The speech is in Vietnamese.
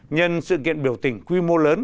nhân sự kiện biểu tình quy mô lớn